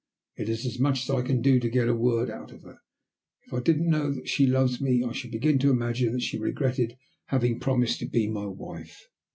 It is as much as I can do to get a word out of her. If I didn't know that she loves me I should begin to imagine that she regretted having promised to be my wife."